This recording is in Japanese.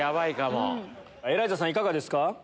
いかがですか？